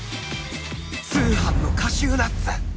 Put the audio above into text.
通販のカシューナッツ！